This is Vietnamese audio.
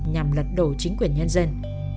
nhằm lật đổ chính quyền nhân dân